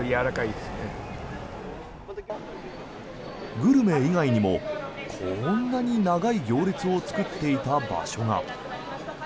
グルメ以外にもこんなに長い行列を作っていた場所が。